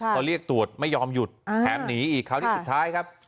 พอเรียกตรวจไม่ยอมหยุดแถมหนีอีกคราวนี้สุดท้ายครับ